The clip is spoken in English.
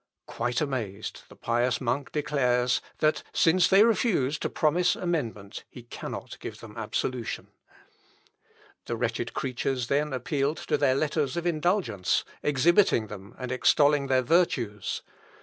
Quite amazed, the pious monk declares, that since they refuse to promise amendment, he cannot give them absolution. The wretched creatures then appealed to their letters of indulgence, exhibiting them and extolling their virtues.